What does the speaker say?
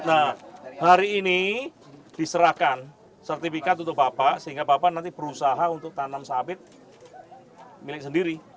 nah hari ini diserahkan sertifikat untuk bapak sehingga bapak nanti berusaha untuk tanam sabit milik sendiri